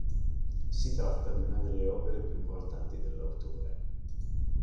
Si tratta di una delle opere più importanti dell'autore.